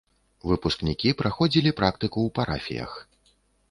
Выпускнікі праходзілі практыку ў парафіях.